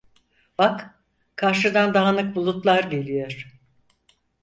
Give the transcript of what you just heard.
Bak, karşıdan dağınık bulutlar geliyor.